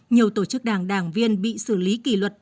nhiều tổ chức đảng đảng viên bị xử lý kỷ luật